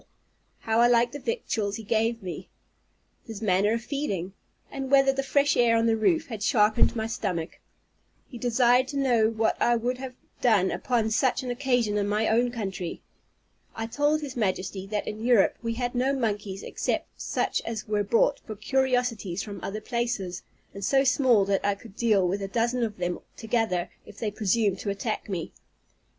how I liked the victuals he gave me? his manner of feeding? and whether the fresh air on the roof had sharpened my stomach? He desired to know what I would have done upon such an occasion in my own country? I told his Majesty, that in Europe we had no monkeys except such as were brought for curiosities from other places, and so small that I could deal with a dozen of them together, if they presumed to attack me.